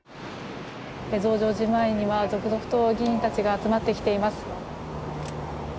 増上寺前には続々と議員たちが集まってきています。